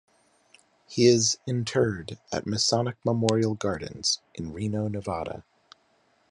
He is interred at Masonic Memorial Gardens in Reno, Nevada.